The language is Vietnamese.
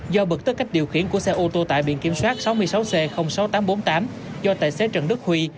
do bực tức cách điều khiển của xe ô tô tải biển kiểm soát sáu mươi sáu c sáu nghìn tám trăm bốn mươi tám do tài xế trần đức huy